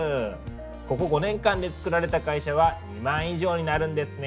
ここ５年間でつくられた会社は２万以上になるんですね。